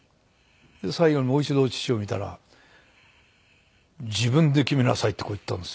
最後にもう一度父を見たら「自分で決めなさい」ってこう言ったんですよ。